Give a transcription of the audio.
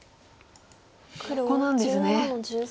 ここなんですね。